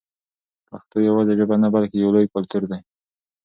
پښتو یوازې ژبه نه بلکې یو لوی کلتور دی.